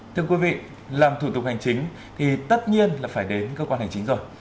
thưa quý vị làm thủ tục hành chính thì tất nhiên là phải đến cơ quan hành chính rồi